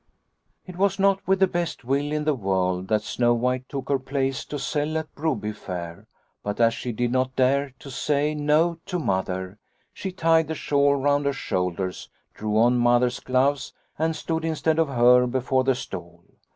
" It was not with the best will in the world that Snow White took her place to sell at Broby fair, but as she did not dare to say ' No ' to Mother, she tied the shawl round her shoulders, drew on Mother's gloves, and stood instead of her before the stall.